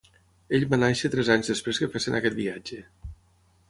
Ell va néixer tres anys després que fessin aquest viatge.